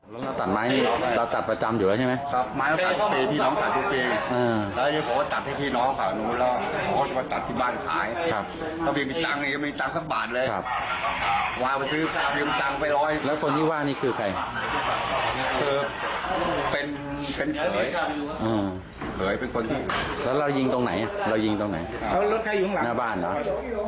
แล้วคนที่ว่านี่คือใครเป็นเขยแล้วเรายิงตรงไหนเรายิงตรงไหนหน้าบ้านเหรอ